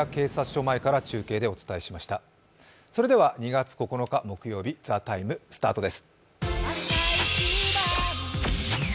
それでは２月９日木曜日、「ＴＨＥＴＩＭＥ，」スタートです。